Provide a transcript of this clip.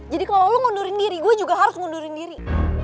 jadi kalau kamu ngundurin diri saya juga harus ngundurin diri